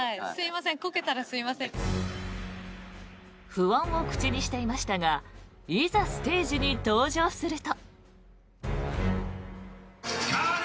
不安を口にしていましたがいざ、ステージに登場すると。